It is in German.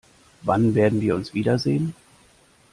Wann werden wir uns wiedersehen?